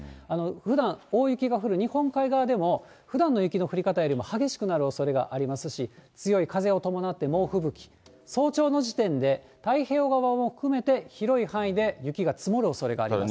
ふだん、大雪が降る日本海側でも、ふだんの雪の降り方よりも激しくなるおそれがありますし、強い風を伴って猛吹雪、早朝の時点で太平洋側も含めて広い範囲で雪が積もるおそれがあります。